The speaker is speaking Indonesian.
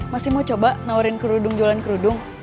masih mau coba nawarin kerudung jualan kerudung